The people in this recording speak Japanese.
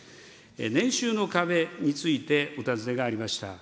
年収の壁についてお尋ねがありました。